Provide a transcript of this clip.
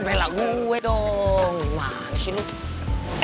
lu bela gue dong wah disini tuh